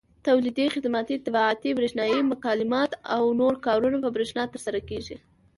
تولیدي، خدماتي، طباعتي، برېښنایي مکالمات او نور کارونه په برېښنا ترسره کېږي.